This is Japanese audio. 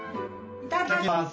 いただきます。